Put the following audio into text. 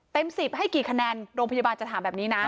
๑๐ให้กี่คะแนนโรงพยาบาลจะถามแบบนี้นะ